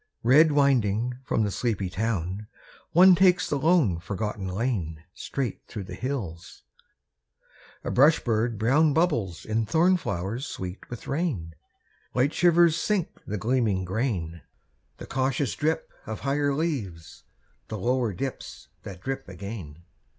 Red winding from the sleepy town, One takes the lone, forgotten lane Straight through the hills. A brush bird brown Bubbles in thorn flowers sweet with rain; Light shivers sink the gleaming grain; The cautious drip of higher leaves The lower dips that drip again.